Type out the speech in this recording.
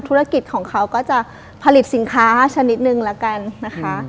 ธุรกิจของเขาก็จะผลิตสินค้าชนิดนึงละกันนะคะ